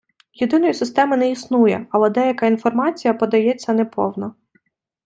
Єдиної системи не існує «Але деяка інформація подається неповно.